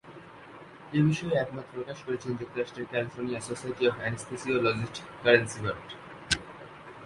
এ বিষয়ে একমত প্রকাশ করেছেন যুক্তরাষ্ট্রের California Society of Anesthesiologist Karen সিবার্ট।